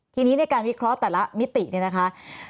ทีนี้ในการวิเคราะห์แต่ละมิติเนี่ยนะคะ